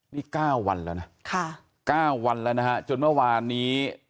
นี่เก้าวันแล้วนะค่ะเก้าวันแล้วนะฮะจนเมื่อวานนี้